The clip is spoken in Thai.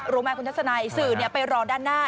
รู้ไหมคุณทัศนัยสื่อไปรอด้านหน้า